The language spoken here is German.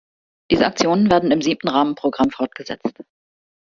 Diese Aktionen werden im siebten Rahmenprogramm fortgesetzt.